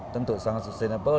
tentu sangat sustainable